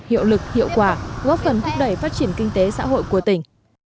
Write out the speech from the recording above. hiệu lực hiệu quả góp phần thúc đẩy phát triển kinh tế xã hội của tỉnh